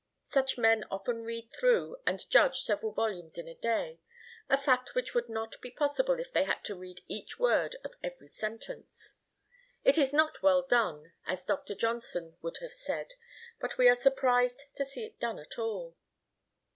Such men often read through and judge several volumes in a day, a fact which would not be possible if they had to read each word of every sentence. It is not well done, as Dr. Johnson would have said, but we are surprised to see it done at all.